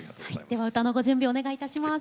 では歌のご準備お願いいたします。